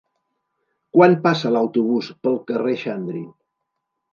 Quan passa l'autobús pel carrer Xandri?